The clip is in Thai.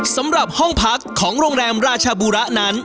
สำหรับห้องพักของโรงแรมราชบูระนั้น